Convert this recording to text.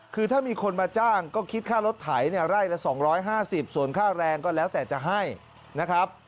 คือถ้ามีคนมาจ้างก็คิดค่ารถไถไร่ละ๒๕๐ส่วนค่าแรงก็แล้วแต่จะให้นะครับ